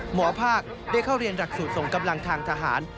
หมอภาคได้เข้าเรียนหลักสูตรส่งกำลังทางทหาร